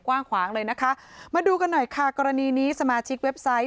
กว้างขวางเลยนะคะมาดูกันหน่อยค่ะกรณีนี้สมาชิกเว็บไซต์